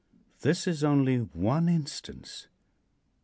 This is only one instance.